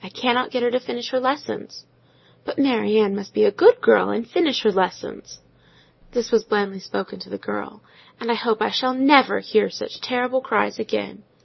"I cannot get her to finish her lessons." "But Mary Ann must be a good girl, and finish her lessons." This was blandly spoken to the child. "And I hope I shall never hear such terrible cries again!"